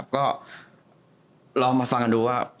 ก็ลองมาฟังกันดูว่า